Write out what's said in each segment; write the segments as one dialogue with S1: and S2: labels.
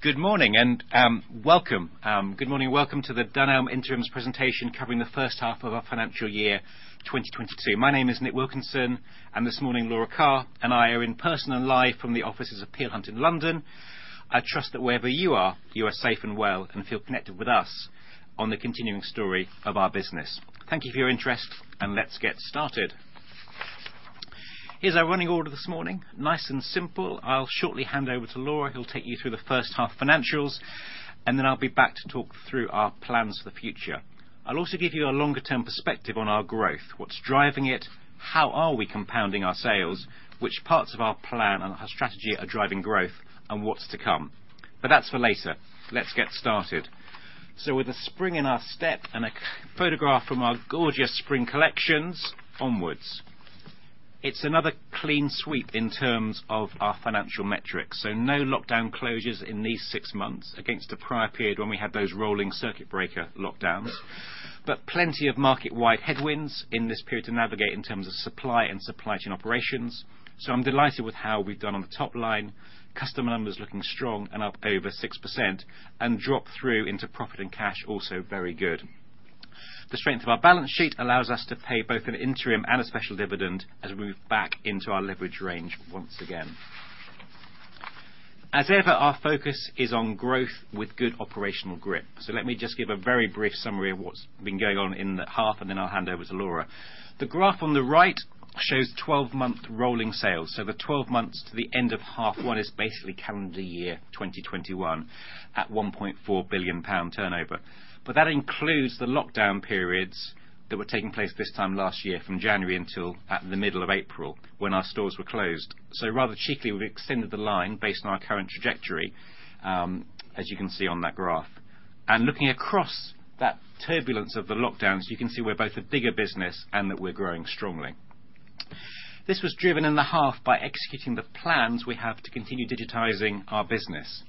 S1: Good morning and welcome to the Dunelm interims presentation covering the first half of our financial year 2022. My name is Nick Wilkinson, and this morning, Laura Carr and I are in person and live from the offices of Peel Hunt in London. I trust that wherever you are, you are safe and well and feel connected with us on the continuing story of our business. Thank you for your interest, and let's get started. Here's our running order this morning. Nice and simple. I'll shortly hand over to Laura, who'll take you through the first half financials, and then I'll be back to talk through our plans for the future. I'll also give you a longer-term perspective on our growth, what's driving it, how are we compounding our sales, which parts of our plan and our strategy are driving growth, and what's to come. That's for later. Let's get started. With a spring in our step and a photograph from our gorgeous spring collections, onwards. It's another clean sweep in terms of our financial metrics, so no lockdown closures in these six months against the prior period when we had those rolling circuit breaker lockdowns. Plenty of market-wide headwinds in this period to navigate in terms of supply and supply chain operations, so I'm delighted with how we've done on the top line. Customer numbers looking strong and up over 6% and drop through into profit and cash also very good. The strength of our balance sheet allows us to pay both an interim and a special dividend as we move back into our leverage range once again. As ever, our focus is on growth with good operational grip. Let me just give a very brief summary of what's been going on in the half, and then I'll hand over to Laura. The graph on the right shows 12-month rolling sales, so the 12 months to the end of half one is basically calendar year 2021 at 1.4 billion pound turnover. But that includes the lockdown periods that were taking place this time last year from January until at the middle of April when our stores were closed. Rather cheekily, we extended the line based on our current trajectory, as you can see on that graph. Looking across that turbulence of the lockdowns, you can see we're both a bigger business and that we're growing strongly. This was driven in the half by executing the plans we have to continue digitizing our business.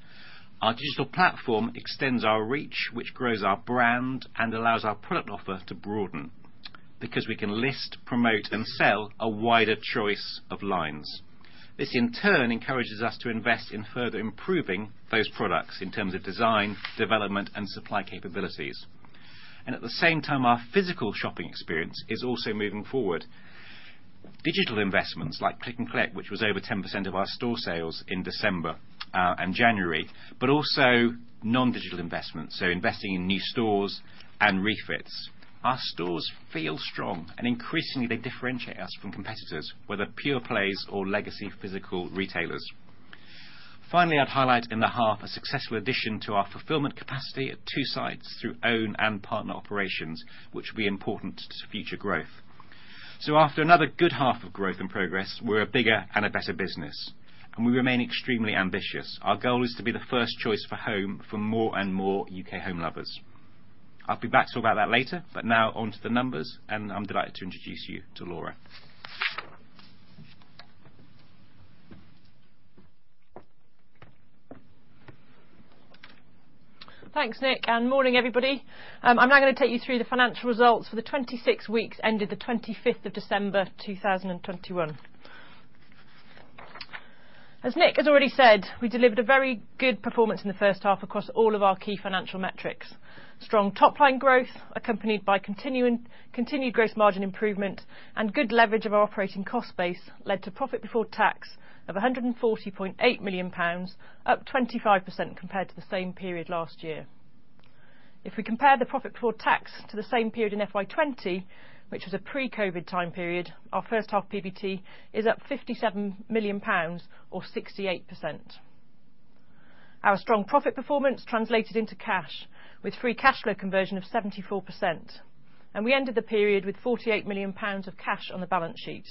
S1: Our digital platform extends our reach, which grows our brand and allows our product offer to broaden because we can list, promote, and sell a wider choice of lines. This, in turn, encourages us to invest in further improving those products in terms of design, development, and supply capabilities. At the same time, our physical shopping experience is also moving forward. Digital investments like Click and Collect, which was over 10% of our store sales in December and January, but also non-digital investments, so investing in new stores and refits. Our stores feel strong and increasingly they differentiate us from competitors, whether pure plays or legacy physical retailers. Finally, I'd highlight in the half a successful addition to our fulfillment capacity at two sites through own and partner operations, which will be important to future growth. After another good half of growth and progress, we're a bigger and a better business, and we remain extremely ambitious. Our goal is to be the first choice for home for more and more UK home lovers. I'll be back to talk about that later, but now on to the numbers, and I'm delighted to introduce you to Laura.
S2: Thanks, Nick, and morning, everybody. I'm now gonna take you through the financial results for the 26 weeks ended the 25th of December 2021. As Nick has already said, we delivered a very good performance in the first half across all of our key financial metrics. Strong top-line growth accompanied by continued gross margin improvement and good leverage of our operating cost base led to profit before tax of 140.8 million pounds, up 25% compared to the same period last year. If we compare the profit before tax to the same period in FY 2020, which was a pre-COVID time period, our first half PBT is up 57 million pounds or 68%. Our strong profit performance translated into cash with free cash flow conversion of 74%, and we ended the period with 48 million pounds of cash on the balance sheet.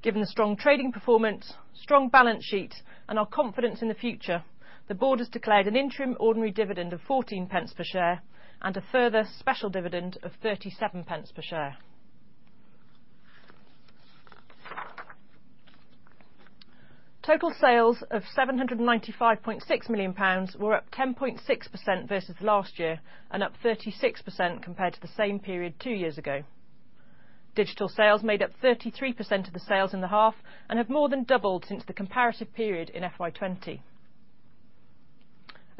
S2: Given the strong trading performance, strong balance sheet, and our confidence in the future, the board has declared an interim ordinary dividend of 0.14 per share and a further special dividend of 0.37 per share. Total sales of 795.6 million pounds were up 10.6% versus last year and up 36% compared to the same period two years ago. Digital sales made up 33% of the sales in the half and have more than doubled since the comparative period in FY 2020.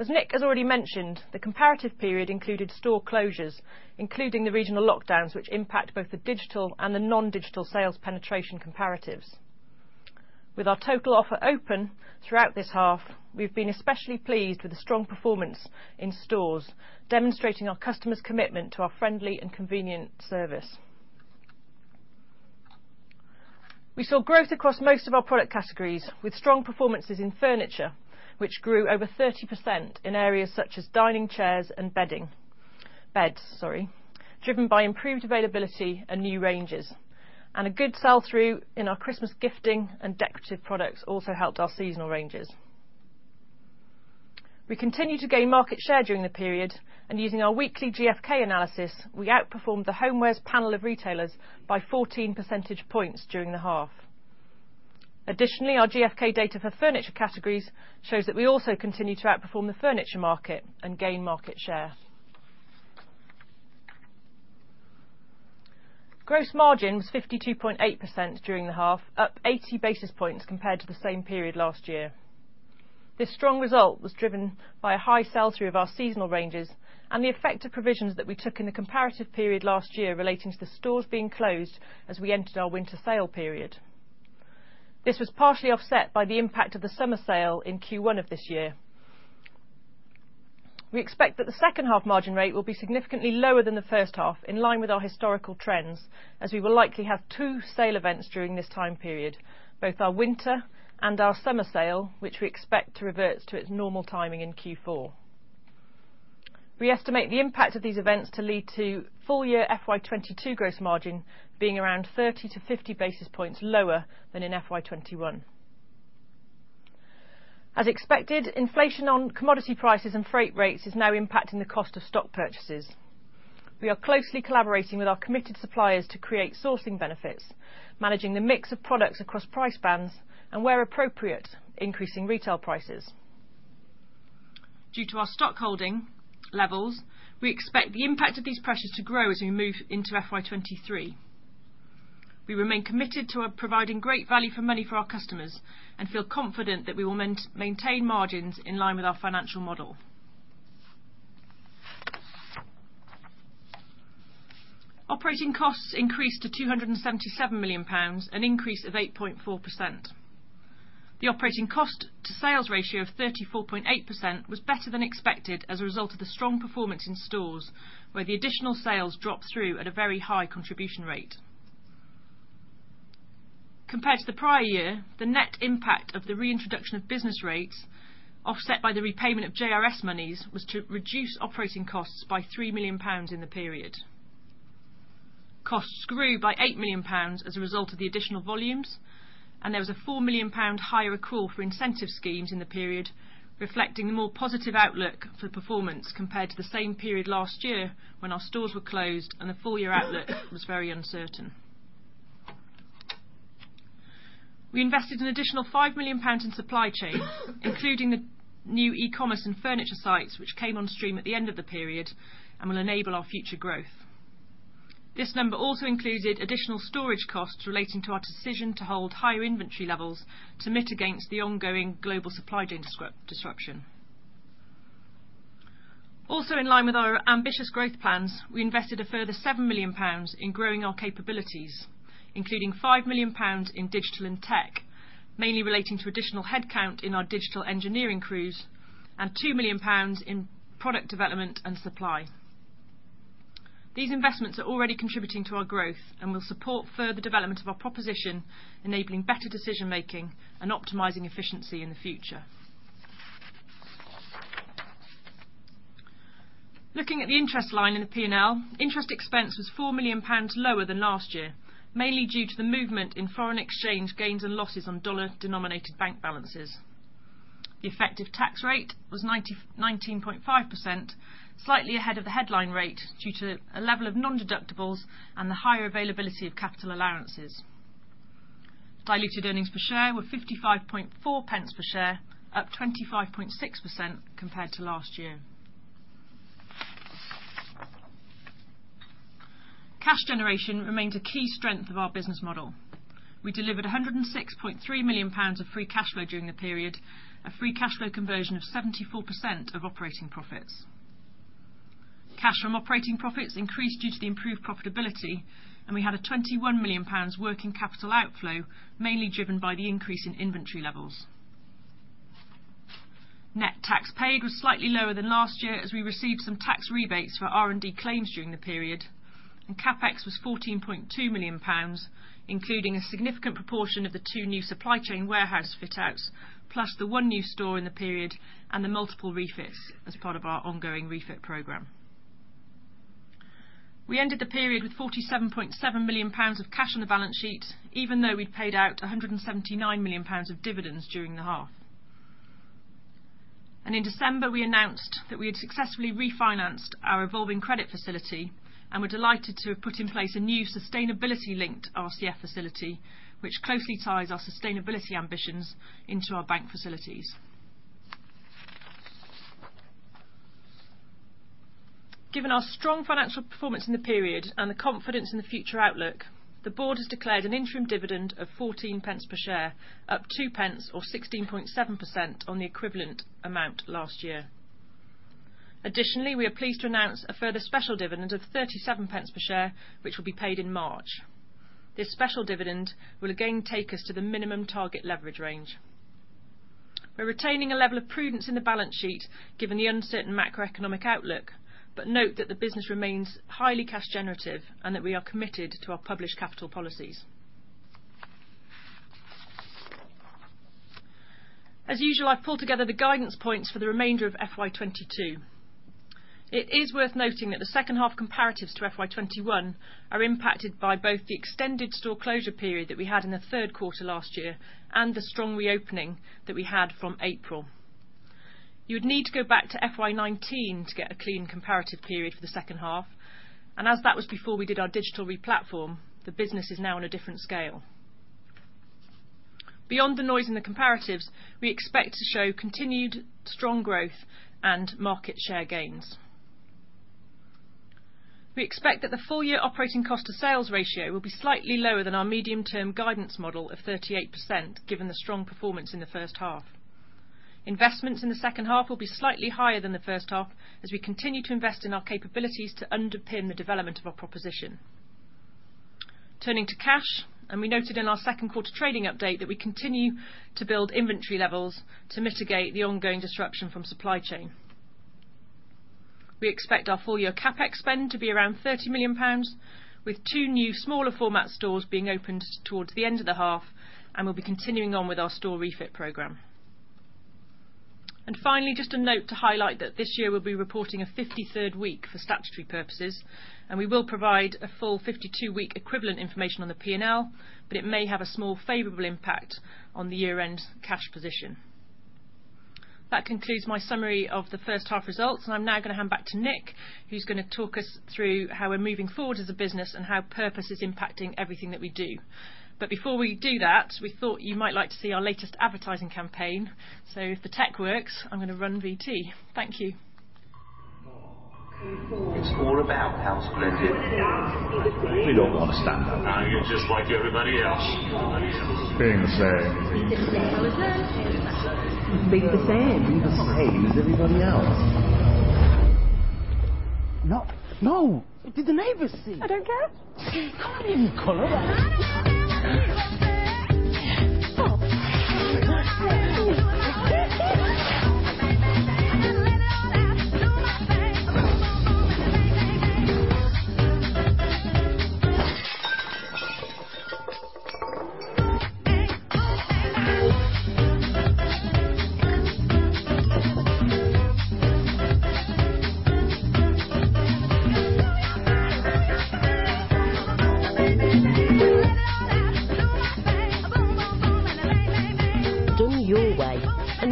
S2: As Nick has already mentioned, the comparative period included store closures, including the regional lockdowns which impact both the digital and the non-digital sales penetration comparatives. With our total offer open throughout this half, we've been especially pleased with the strong performance in stores, demonstrating our customers' commitment to our friendly and convenient service. We saw growth across most of our product categories with strong performances in furniture, which grew over 30% in areas such as dining chairs and beds, sorry, driven by improved availability and new ranges. A good sell-through in our Christmas gifting and decorative products also helped our seasonal ranges. We continued to gain market share during the period, and using our weekly GfK analysis, we outperformed the homewares panel of retailers by 14 percentage points during the half. Additionally, our GfK data for furniture categories shows that we also continue to outperform the furniture market and gain market share. Gross margin was 52.8% during the half, up 80 basis points compared to the same period last year. This strong result was driven by a high sell-through of our seasonal ranges and the effect of provisions that we took in the comparative period last year relating to the stores being closed as we entered our winter sale period. This was partially offset by the impact of the summer sale in Q1 of this year. We expect that the second half margin rate will be significantly lower than the first half, in line with our historical trends, as we will likely have two sale events during this time period, both our winter and our summer sale, which we expect to revert to its normal timing in Q4. We estimate the impact of these events to lead to full-year FY 2022 gross margin being around 30-50 basis points lower than in FY 2021. As expected, inflation on commodity prices and freight rates is now impacting the cost of stock purchases. We are closely collaborating with our committed suppliers to create sourcing benefits, managing the mix of products across price bands and, where appropriate, increasing retail prices. Due to our stockholding levels, we expect the impact of these pressures to grow as we move into FY 2023. We remain committed to providing great value for money for our customers and feel confident that we will maintain margins in line with our financial model. Operating costs increased to 277 million pounds, an increase of 8.4%. The operating cost-to-sales ratio of 34.8% was better than expected as a result of the strong performance in stores, where the additional sales dropped through at a very high contribution rate. Compared to the prior year, the net impact of the reintroduction of business rates, offset by the repayment of JRS monies, was to reduce operating costs by 3 million pounds in the period. Costs grew by 8 million pounds as a result of the additional volumes, and there was a 4 million pound higher accrual for incentive schemes in the period, reflecting the more positive outlook for performance compared to the same period last year when our stores were closed and the full-year outlook was very uncertain. We invested an additional 5 million pounds in supply chain, including the new e-commerce and furniture sites, which came on stream at the end of the period and will enable our future growth. This number also included additional storage costs relating to our decision to hold higher inventory levels to mitigate against the ongoing global supply chain disruption. Also, in line with our ambitious growth plans, we invested a further GBP 7 million in growing our capabilities, including GBP 5 million in digital and tech, mainly relating to additional headcount in our digital engineering crews and 2 million pounds in product development and supply. These investments are already contributing to our growth and will support further development of our proposition, enabling better decision-making and optimizing efficiency in the future. Looking at the interest line in the P&L, interest expense was GBP 4 million lower than last year, mainly due to the movement in foreign exchange gains and losses on dollar-denominated bank balances. The effective tax rate was 19.5%, slightly ahead of the headline rate due to a level of nondeductibles and the higher availability of capital allowances. Diluted earnings per share were 0.554 per share, up 25.6% compared to last year. Cash generation remains a key strength of our business model. We delivered 106.3 million pounds of free cash flow during the period, a free cash flow conversion of 74% of operating profits. Cash from operating profits increased due to the improved profitability, and we had a 21 million pounds working capital outflow, mainly driven by the increase in inventory levels. Net tax paid was slightly lower than last year as we received some tax rebates for R&D claims during the period, and CapEx was 14.2 million pounds, including a significant proportion of the two new supply chain warehouse fit-outs, plus the one new store in the period and the multiple refits as part of our ongoing refit program. We ended the period with 47.7 million pounds of cash on the balance sheet, even though we'd paid out 179 million pounds of dividends during the half. In December, we announced that we had successfully refinanced our revolving credit facility, and we're delighted to have put in place a new sustainability-linked RCF facility, which closely ties our sustainability ambitions into our bank facilities. Given our strong financial performance in the period and the confidence in the future outlook, the board has declared an interim dividend of 14 pence per share, up two pence or 16.7% on the equivalent amount last year. Additionally, we are pleased to announce a further special dividend of 37 pence per share, which will be paid in March. This special dividend will again take us to the minimum target leverage range. We're retaining a level of prudence in the balance sheet given the uncertain macroeconomic outlook, but note that the business remains highly cash generative and that we are committed to our published capital policies. As usual, I've pulled together the guidance points for the remainder of FY 2022. It is worth noting that the second half comparatives to FY 2021 are impacted by both the extended store closure period that we had in the third quarter last year and the strong reopening that we had from April. You would need to go back to FY 2019 to get a clean comparative period for the second half. As that was before we did our digital replatform, the business is now on a different scale. Beyond the noise in the comparatives, we expect to show continued strong growth and market share gains. We expect that the full-year operating cost-to-sales ratio will be slightly lower than our medium-term guidance model of 38%, given the strong performance in the first half. Investments in the second half will be slightly higher than the first half as we continue to invest in our capabilities to underpin the development of our proposition. Turning to cash, we noted in our second quarter trading update that we continue to build inventory levels to mitigate the ongoing disruption from supply chain. We expect our full-year CapEx spend to be around 30 million pounds, with two new smaller format stores being opened towards the end of the half, and we'll be continuing on with our store refit program. Finally, just a note to highlight that this year we'll be reporting a 53rd week for statutory purposes, and we will provide a full 52-week equivalent information on the P&L, but it may have a small favorable impact on the year-end cash position. That concludes my summary of the first half results, and I'm now gonna hand back to Nick, who's gonna talk us through how we're moving forward as a business and how purpose is impacting everything that we do. Before we do that, we thought you might like to see our latest advertising campaign. If the tech works, I'm gonna run VT. Thank you.
S3: It's all about house blending. We don't want to stand out. You're just like everybody else, being the same. Be the same as everybody else. No, no. Did the neighbors see? I don't care. Come on. Do it your way and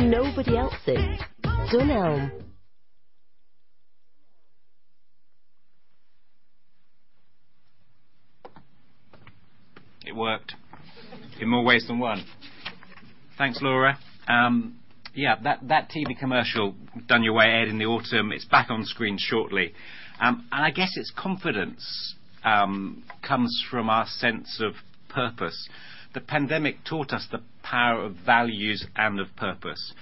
S3: nobody else's. Dunelm.
S1: It worked in more ways than one. Thanks, Laura. Yeah, that TV commercial Done Your Way ad in the autumn, it's back on screen shortly. I guess its confidence comes from our sense of purpose. The pandemic taught us the power of values and of purpose,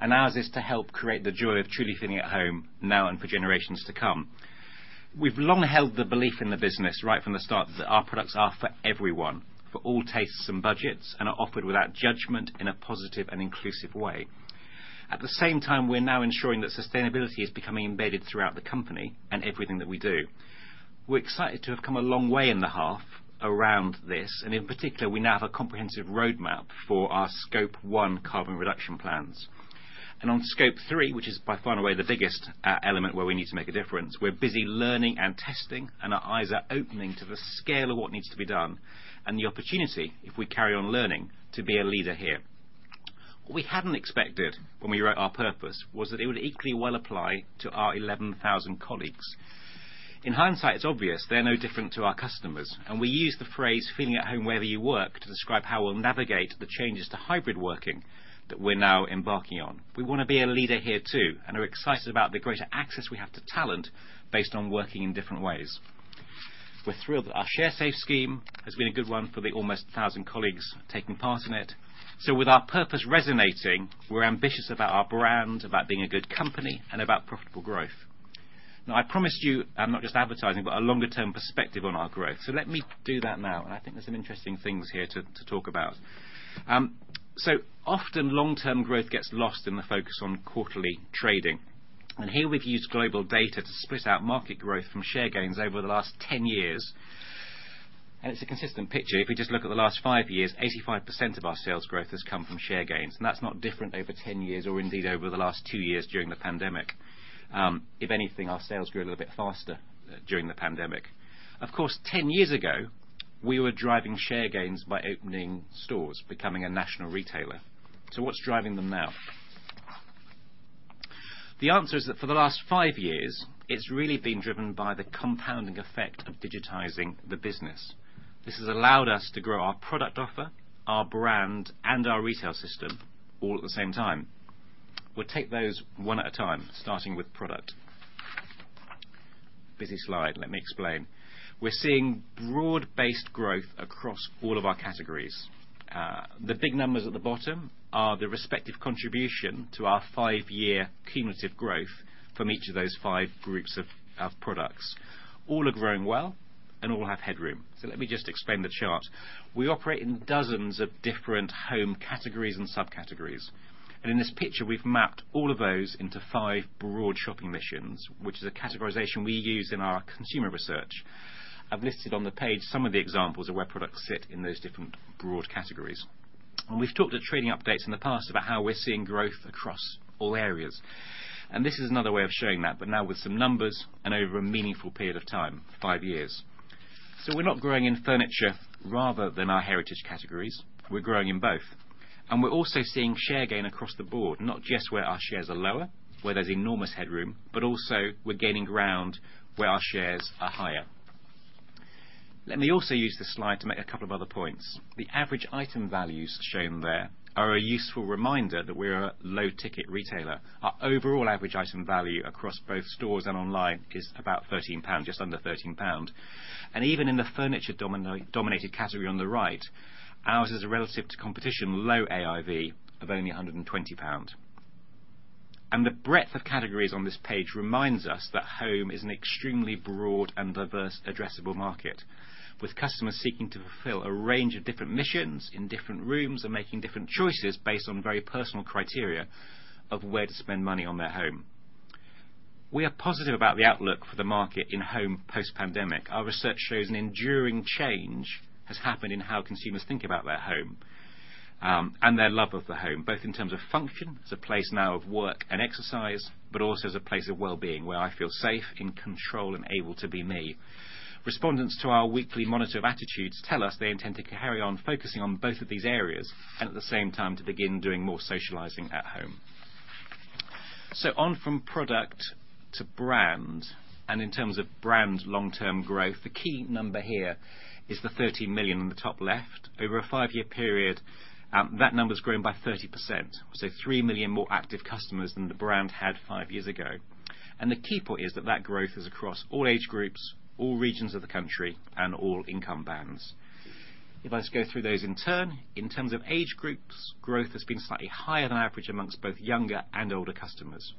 S1: and ours is to help create the joy of truly feeling at home now and for generations to come. We've long held the belief in the business right from the start that our products are for everyone, for all tastes and budgets, and are offered without judgment in a positive and inclusive way. At the same time, we're now ensuring that sustainability is becoming embedded throughout the company in everything that we do. We're excited to have come a long way in the half around this, and in particular, we now have a comprehensive roadmap for our Scope 1 carbon reduction plans. On Scope 3, which is by far and away the biggest element where we need to make a difference, we're busy learning and testing, and our eyes are opening to the scale of what needs to be done and the opportunity, if we carry on learning, to be a leader here. What we hadn't expected when we wrote our purpose was that it would equally well apply to our 11,000 colleagues. In hindsight, it's obvious they're no different to our customers, and we use the phrase feeling at home wherever you work to describe how we'll navigate the changes to hybrid working that we're now embarking on. We wanna be a leader here too, and are excited about the greater access we have to talent based on working in different ways. We're thrilled that our Sharesave scheme has been a good one for the almost 1,000 colleagues taking part in it. With our purpose resonating, we're ambitious about our brand, about being a good company, and about profitable growth. Now, I promised you, not just advertising, but a longer term perspective on our growth. Let me do that now, and I think there's some interesting things here to talk about. Often long-term growth gets lost in the focus on quarterly trading, and here we've used GlobalData to split out market growth from share gains over the last 10 years. It's a consistent picture. If we just look at the last five years, 85% of our sales growth has come from share gains, and that's not different over 10 years or indeed over the last two years during the pandemic. If anything, our sales grew a little bit faster during the pandemic. Of course, 10 years ago, we were driving share gains by opening stores, becoming a national retailer. What's driving them now? The answer is that for the last five years, it's really been driven by the compounding effect of digitizing the business. This has allowed us to grow our product offer, our brand, and our retail system all at the same time. We'll take those one at a time, starting with product. Busy slide, let me explain. We're seeing broad-based growth across all of our categories. The big numbers at the bottom are the respective contribution to our five-year cumulative growth from each of those five groups of products. All are growing well, and all have headroom. Let me just explain the chart. We operate in dozens of different home categories and subcategories, and in this picture, we've mapped all of those into five broad shopping missions, which is a categorization we use in our consumer research. I've listed on the page some of the examples of where products sit in those different broad categories. We've talked at trading updates in the past about how we're seeing growth across all areas, and this is another way of showing that, but now with some numbers and over a meaningful period of time, five years. We're not growing in furniture rather than our heritage categories. We're growing in both. We're also seeing share gain across the board, not just where our shares are lower, where there's enormous headroom, but also we're gaining ground where our shares are higher. Let me also use this slide to make a couple of other points. The average item values shown there are a useful reminder that we are a low-ticket retailer. Our overall average item value across both stores and online is about 13 pound, just under 13 pound. Even in the furniture-dominated category on the right, ours is relative to competition, low AIV of only 120 pounds. The breadth of categories on this page reminds us that home is an extremely broad and diverse addressable market, with customers seeking to fulfill a range of different missions in different rooms and making different choices based on very personal criteria of where to spend money on their home. We are positive about the outlook for the market in home post-pandemic. Our research shows an enduring change has happened in how consumers think about their home, and their love of the home, both in terms of function as a place now of work and exercise, but also as a place of well-being where I feel safe, in control and able to be me. Respondents to our weekly monitor of attitudes tell us they intend to carry on focusing on both of these areas and at the same time to begin doing more socializing at home. On from product to brand and in terms of brand long-term growth, the key number here is the 30 million in the top left. Over a five-year period, that number's grown by 30%. Three million more active customers than the brand had five years ago. The key point is that growth is across all age groups, all regions of the country and all income bands. If I just go through those in turn. In terms of age groups, growth has been slightly higher than average among both younger and older customers.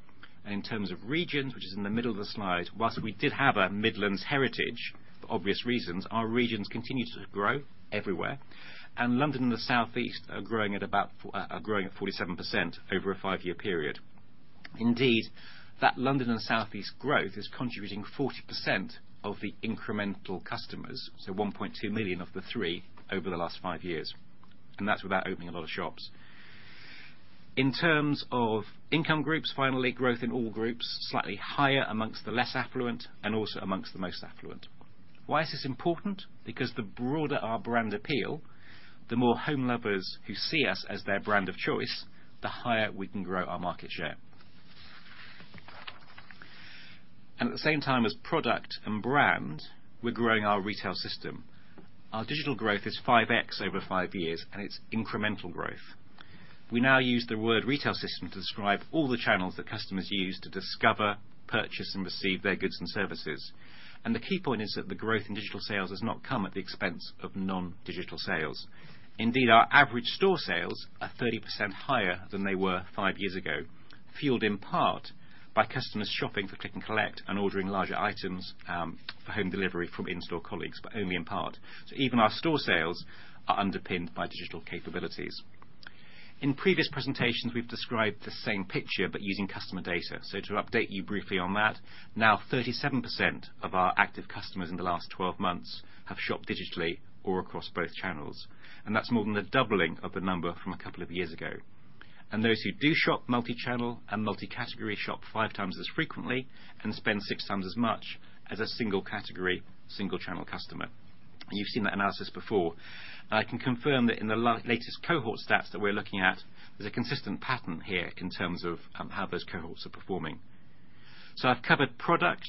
S1: In terms of regions, which is in the middle of the slide, while we did have a Midlands heritage for obvious reasons, our regions continue to grow everywhere, and London and the Southeast are growing at about 47% over a 5-year period. Indeed, that London and Southeast growth is contributing 40% of the incremental customers, so 1.2 million of the three over the last five years, and that's without opening a lot of shops. In terms of income groups, finally, growth in all groups slightly higher among the less affluent and also among the most affluent. Why is this important? Because the broader our brand appeal, the more home lovers who see us as their brand of choice, the higher we can grow our market share. At the same time as product and brand, we're growing our retail system. Our digital growth is 5x over five years, and it's incremental growth. We now use the word retail system to describe all the channels that customers use to discover, purchase, and receive their goods and services. The key point is that the growth in digital sales has not come at the expense of non-digital sales. Indeed, our average store sales are 30% higher than they were five years ago, fueled in part by customers shopping for Click and Collect and ordering larger items, for home delivery from in-store colleagues, but only in part. Even our store sales are underpinned by digital capabilities. In previous presentations, we've described the same picture but using customer data. To update you briefly on that, now 37% of our active customers in the last 12 months have shopped digitally or across both channels, and that's more than a doubling of the number from a couple of years ago. Those who do shop multi-channel and multi-category shop five times as frequently and spend six times as much as a single category, single channel customer. You've seen that analysis before. I can confirm that in the latest cohort stats that we're looking at, there's a consistent pattern here in terms of how those cohorts are performing. I've covered product,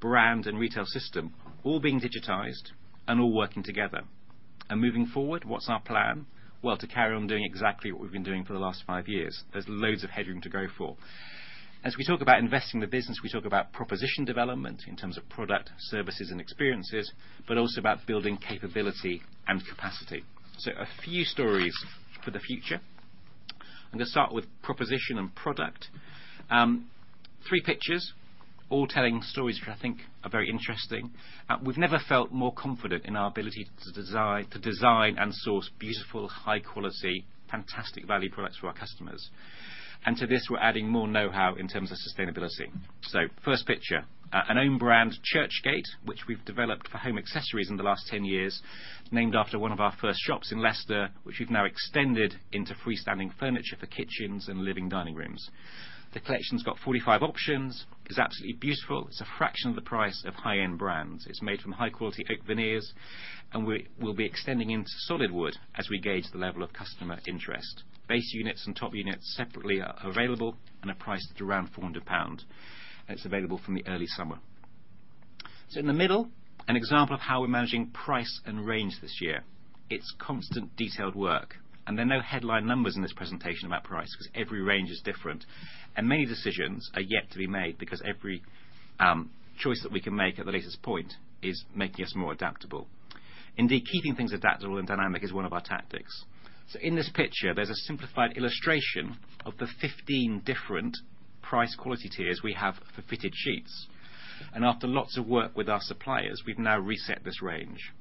S1: brand, and retail system all being digitized and all working together. Moving forward, what's our plan? Well, to carry on doing exactly what we've been doing for the last five years. There's loads of headroom to go for. As we talk about investing in the business, we talk about proposition development in terms of product, services, and experiences, but also about building capability and capacity. A few stories for the future. I'm gonna start with proposition and product. Three pictures, all telling stories which I think are very interesting. We've never felt more confident in our ability to design and source beautiful, high-quality, fantastic-value products for our customers. To this, we're adding more know-how in terms of sustainability. First picture, an own brand, Churchgate, which we've developed for home accessories in the last 10 years, named after one of our first shops in Leicester, which we've now extended into freestanding furniture for kitchens and living dining rooms. The collection's got 45 options. It's absolutely beautiful. It's a fraction of the price of high-end brands. It's made from high-quality oak veneers, and we'll be extending into solid wood as we gauge the level of customer interest. Base units and top units separately are available and are priced at around 400 pounds. It's available from the early summer. In the middle, an example of how we're managing price and range this year. It's constant detailed work, and there are no headline numbers in this presentation about price 'cause every range is different and many decisions are yet to be made because every choice that we can make at the latest point is making us more adaptable. Indeed, keeping things adaptable and dynamic is one of our tactics. In this picture, there's a simplified illustration of the 15 different price-quality tiers we have for fitted sheets. After lots of work with our suppliers, we've now reset this range.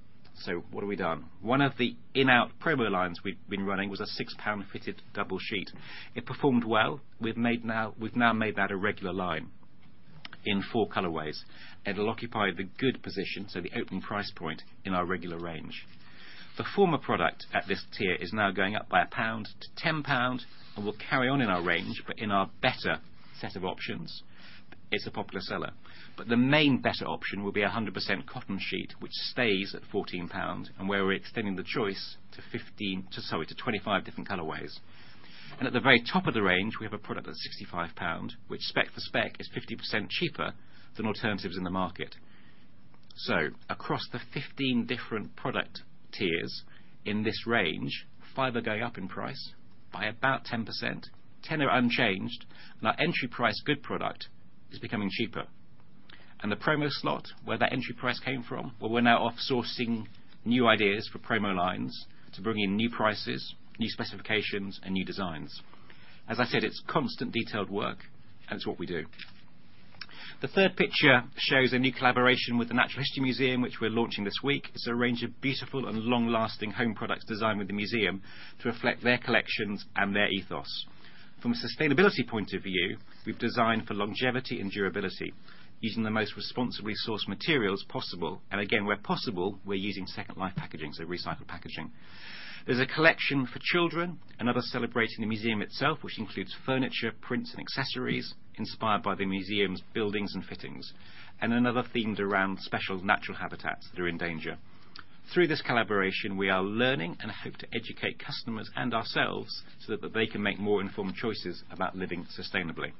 S1: What have we done? One of the in-out promo lines we've been running was a 6 pound fitted double sheet. It performed well. We've now made that a regular line in four colorways. It'll occupy the good position, so the open price point in our regular range. The former product at this tier is now going up by GBP 1 to 10 pound and will carry on in our range, but in our better set of options. It's a popular seller. The main better option will be a 100% cotton sheet, which stays at 14 pounds and where we're extending the choice to 25 different colorways. At the very top of the range, we have a product that's 65 pound, which spec-for-spec is 50% cheaper than alternatives in the market. Across the 15 different product tiers in this range, five are going up in price by about 10%, 10 are unchanged, and our entry price good product is becoming cheaper. The promo slot where that entry price came from, well, we're now outsourcing new ideas for promo lines to bring in new prices, new specifications, and new designs. As I said, it's constant detailed work, and it's what we do. The third picture shows a new collaboration with the Natural History Museum, which we're launching this week. It's a range of beautiful and long-lasting home products designed with the museum to reflect their collections and their ethos. From a sustainability point of view, we've designed for longevity and durability using the most responsibly sourced materials possible. Again, where possible, we're using second-life packaging, so recycled packaging. There's a collection for children, another celebrating the museum itself, which includes furniture, prints, and accessories inspired by the museum's buildings and fittings, and another themed around special natural habitats that are in danger. Through this collaboration, we are learning and hope to educate customers and ourselves so that they can make more informed choices about living sustainably.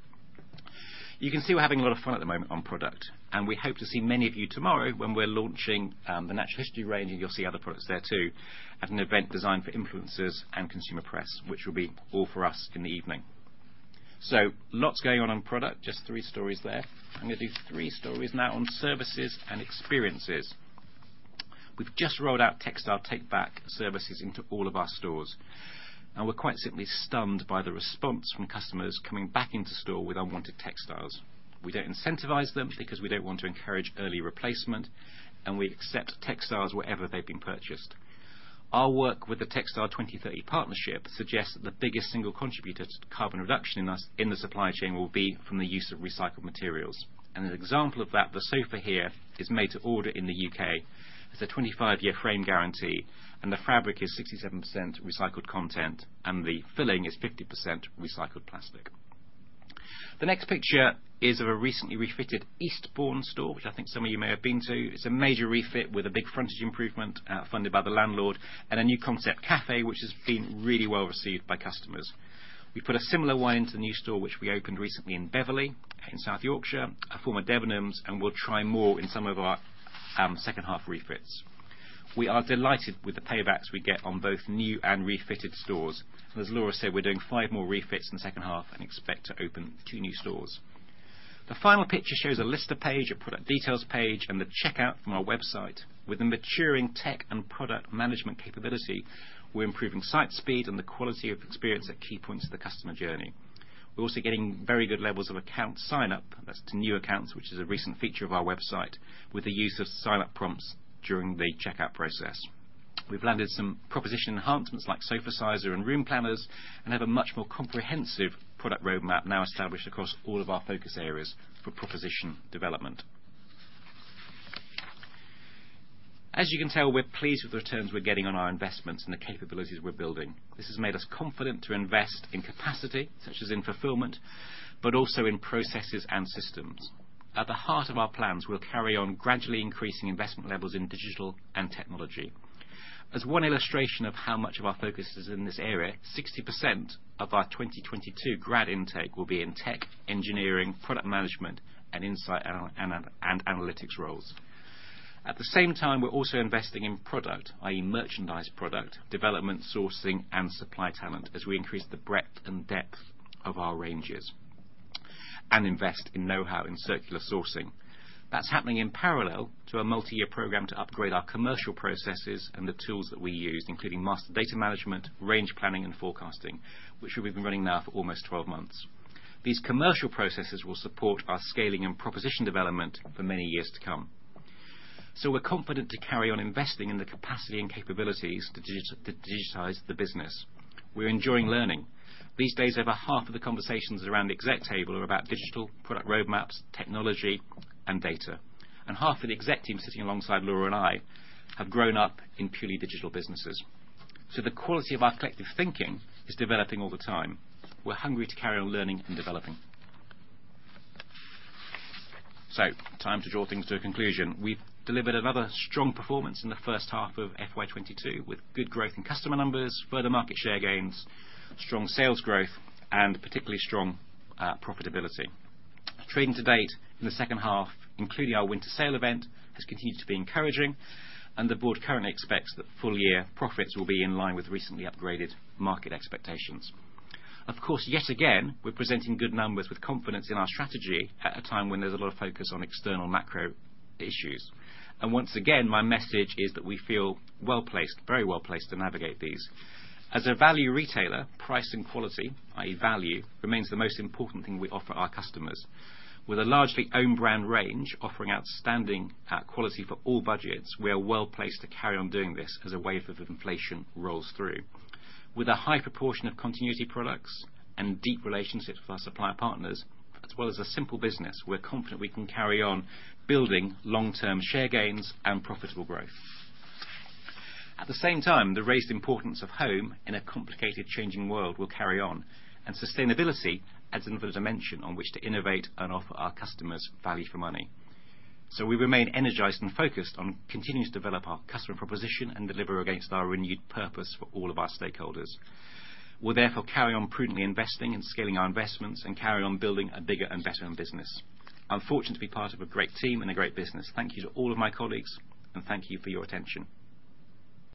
S1: You can see we're having a lot of fun at the moment on product, and we hope to see many of you tomorrow when we're launching the Natural History range. You'll see other products there too, at an event designed for influencers and consumer press, which will be all for us in the evening. Lots going on on product, just three stories there. I'm gonna do three stories now on services and experiences. We've just rolled out textile take-back services into all of our stores, and we're quite simply stunned by the response from customers coming back into store with unwanted textiles. We don't incentivize them because we don't want to encourage early replacement, and we accept textiles wherever they've been purchased. Our work with the Textiles 2030 Partnership suggests that the biggest single contributor to carbon reduction in the supply chain will be from the use of recycled materials. An example of that, the sofa here is made to order in the UK. It has a 25-year frame guarantee, and the fabric is 67% recycled content, and the filling is 50% recycled plastic. The next picture is of a recently refitted Eastbourne store, which I think some of you may have been to. It's a major refit with a big frontage improvement, funded by the landlord and a new concept cafe, which has been really well received by customers. We put a similar one into the new store, which we opened recently in Beverley, in East Yorkshire, a former Debenhams, and we'll try more in some of our second-half refits. We are delighted with the paybacks we get on both new and refitted stores. As Laura said, we're doing five more refits in the second half and expect to open two new stores. The final picture shows a listing page, a product details page, and the checkout from our website. With the maturing tech and product management capability, we're improving site speed and the quality of experience at key points of the customer journey. We're also getting very good levels of account sign-up, that's to new accounts, which is a recent feature of our website with the use of sign-up prompts during the checkout process. We've landed some proposition enhancements like sofa sizer and room planners, and have a much more comprehensive product roadmap now established across all of our focus areas for proposition development. As you can tell, we're pleased with the returns we're getting on our investments and the capabilities we're building. This has made us confident to invest in capacity, such as in fulfillment, but also in processes and systems. At the heart of our plans, we'll carry on gradually increasing investment levels in digital and technology. As one illustration of how much of our focus is in this area, 60% of our 2022 grad intake will be in tech, engineering, product management, and insight and analytics roles. At the same time, we're also investing in product, i.e. merchandise product development, sourcing, and supply talent as we increase the breadth and depth of our ranges and invest in know-how in circular sourcing. That's happening in parallel to a multi-year program to upgrade our commercial processes and the tools that we use, including master data management, range planning, and forecasting, which we've been running now for almost 12 months. These commercial processes will support our scaling and proposition development for many years to come. We're confident to carry on investing in the capacity and capabilities to digitize the business. We're enjoying learning. These days, over half of the conversations around the exec table are about digital product roadmaps, technology, and data. Half of the exec team sitting alongside Laura and I have grown up in purely digital businesses. The quality of our collective thinking is developing all the time. We're hungry to carry on learning and developing. Time to draw things to a conclusion. We've delivered another strong performance in the first half of FY 2022 with good growth in customer numbers, further market share gains, strong sales growth, and particularly strong profitability. Trading to date in the second half, including our winter sale event, has continued to be encouraging, and the board currently expects that full-year profits will be in line with recently upgraded market expectations. Of course, yet again, we're presenting good numbers with confidence in our strategy at a time when there's a lot of focus on external macro issues. Once again, my message is that we feel well-placed, very well-placed to navigate these. As a value retailer, price and quality, i.e. value, remains the most important thing we offer our customers. With a largely own brand range offering outstanding quality for all budgets, we are well placed to carry on doing this as a wave of inflation rolls through. With a high proportion of continuity products and deep relationships with our supplier partners, as well as a simple business, we're confident we can carry on building long-term share gains and profitable growth. At the same time, the raised importance of home in a complicated changing world will carry on, and sustainability adds another dimension on which to innovate and offer our customers value for money. We remain energized and focused on continuing to develop our customer proposition and deliver against our renewed purpose for all of our stakeholders. We'll therefore carry on prudently investing and scaling our investments, and carry on building a bigger and better business. I'm fortunate to be part of a great team and a great business. Thank you to all of my colleagues, and thank you for your attention.